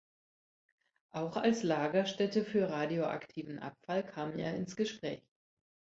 Auch als Lagerstätte für radioaktiven Abfall kam er ins Gespräch.